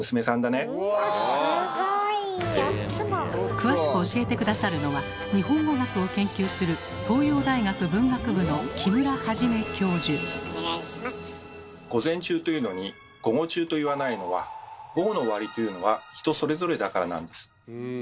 詳しく教えて下さるのは日本語学を研究する「午前中」と言うのに「午後中」と言わないのは午後の終わりというのは人それぞれだからなんです。